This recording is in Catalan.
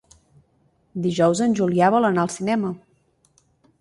Dijous en Julià vol anar al cinema.